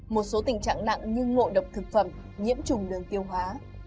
một số tình trạng nặng như ngộ độc thực phẩm nhiễm trùng đường tiêu hóa